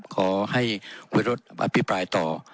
ขอให้วิทยุธรรมัสพี่ปรายต่อ